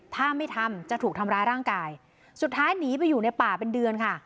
ถ้าไม่ทำจะถูกทำร้ายร่างกายสุดท้ายหนีไปอยู่ในป่าเป็นเดือนค่ะ